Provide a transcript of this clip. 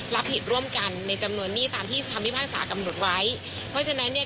รับผิดร่วมกันในจำนวนหนี้ตามที่คำพิพากษากำหนดไว้เพราะฉะนั้นเนี่ย